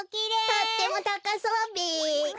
とってもたかそうべ。